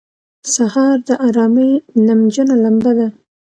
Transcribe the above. سهار د آرامۍ نمجنه لمبه ده.